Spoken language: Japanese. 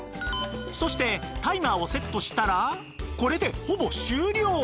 そしてタイマーをセットしたらこれでほぼ終了！